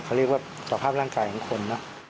เขาเรียกว่าประทับร่างกายของคน